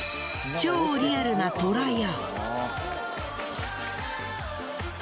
超リアルな虎や。